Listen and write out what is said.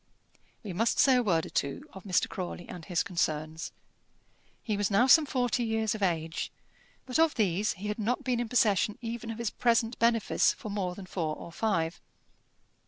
We must say a word or two of Mr. Crawley and his concerns. He was now some forty years of age, but of these he had not been in possession even of his present benefice for more than four or five.